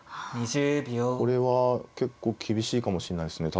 これは結構厳しいかもしれないですね